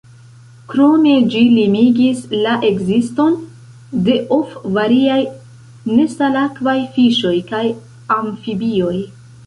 Krome ĝi limigis la ekziston de of variaj nesalakvaj fiŝoj kaj amfibioj.